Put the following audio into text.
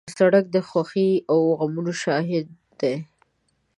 سړک د خوښۍ او غمونو شاهد دی.